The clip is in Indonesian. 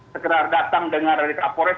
segera datang dengar dari kapolres